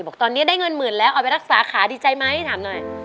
บอกตอนนี้ได้เงินหมื่นแล้วเอาไปรักษาขาดีใจไหมถามหน่อย